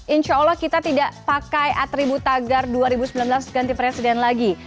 insya allah kita tidak pakai atribut tagar dua ribu sembilan belas ganti presiden lagi